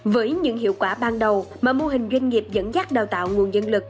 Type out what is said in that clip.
với những hiệu quả ban đầu mà mô hình doanh nghiệp dẫn dắt đào tạo nguồn dân lực